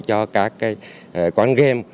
cho các quán game